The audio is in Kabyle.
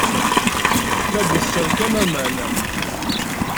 La d-nesserkam aman.